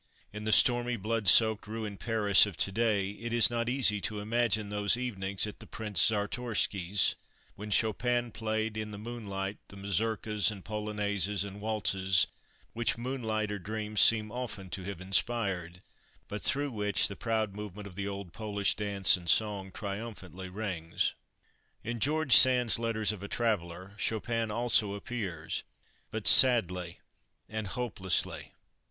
In the stormy, blood soaked, ruined Paris of to day it is not easy to imagine those evenings at the Prince Czartoryski's, when Chopin played in the moonlight the mazurkas and polonaises and waltzes which moonlight or dreams seem often to have inspired, but through which the proud movement of the old Polish dance and song triumphantly rings. In George Sand's Letters of a Traveller Chopin also appears, but sadly and hopelessly.